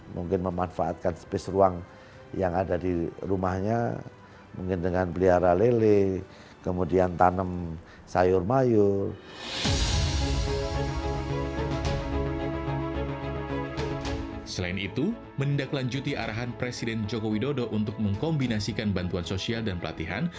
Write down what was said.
membantu penyiapan rumah sakit yang dilaksanakan